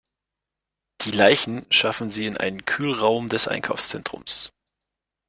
Die Leichen schaffen sie in einen Kühlraum des Einkaufszentrums.